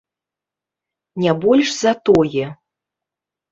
Не больш за тое.